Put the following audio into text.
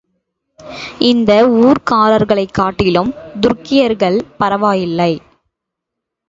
இந்த ஊர்க்காரர்களைக் காட்டிலும் துருக்கியர்கள் பரவாயில்லை.